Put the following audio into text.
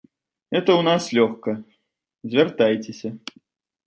Гэта ў нас лёгка, звяртайцеся.